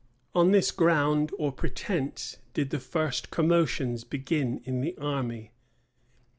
On this ground or pretence did the first commotions begin in the army.